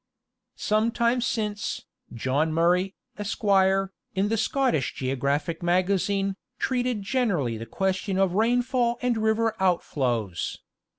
Sometime since, John Murray, Esq., in the Scottish Geographic Magazine, treated generally the question of rainfall and river outflows.